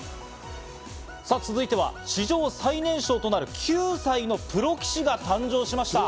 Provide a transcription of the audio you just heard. さぁ続いては、史上最年少となる９歳のプロ棋士が誕生しました。